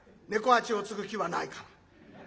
猫八を継ぐ気はないから。